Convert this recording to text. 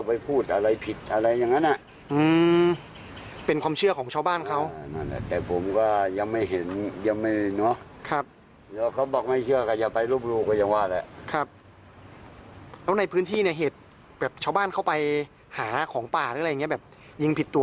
มันเป็นอย่างไรค่ะผู้ใหญ่